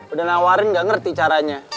udah nawarin gak ngerti caranya